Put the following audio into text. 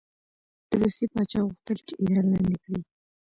د روسیې پاچا غوښتل چې ایران لاندې کړي.